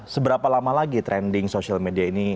seberapa lama lagi trending social media ini